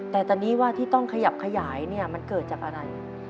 แต่ตอนนี้ว่าที่ต้องขยับขยายเนี่ยมันเกิดจากอะไร